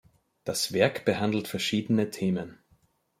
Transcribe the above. Das Werk behandelt verschiedene Themen.